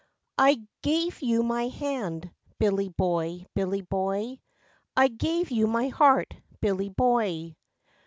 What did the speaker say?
I gave you my hand, Billy boy, Billy boy, I gave you my heart Billy boy.